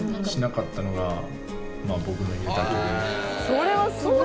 それはすごい！